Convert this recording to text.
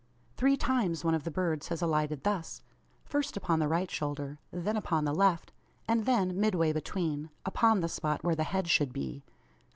Three times one of the birds has alighted thus first upon the right shoulder, then upon the left, and then midway between upon the spot where the head should be!